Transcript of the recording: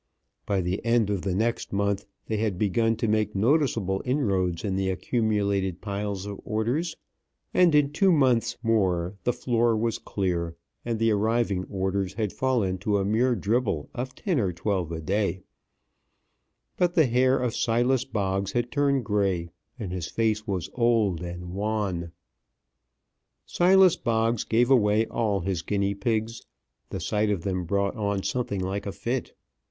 By the end of the next month they had begun to make noticeable inroads in the accumulated piles of orders; and in two months more the floor was clear, and the arriving orders had fallen to a mere dribble of ten or twelve a day, but the hair of Silas Boggs had turned gray, and his face was old and wan. Silas Boggs gave away all his guinea pigs the sight of them brought on something like a fit.